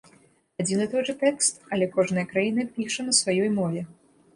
Адзін і той жа тэкст, але кожная краіна піша на сваёй мове.